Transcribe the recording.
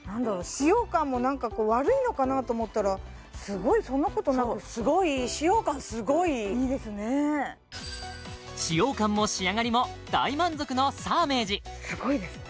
使用感もなんか悪いのかなと思ったらすごいそんなことなくそうすごいいい使用感も仕上がりも大満足のサーメージすごいですね